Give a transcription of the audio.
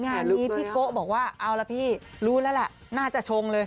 งานนี้พี่โกะบอกว่าเอาละพี่รู้แล้วแหละน่าจะชงเลย